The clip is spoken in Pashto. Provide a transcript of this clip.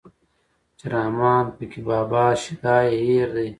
چې رحمان پکې بابا شيدا يې هېر دی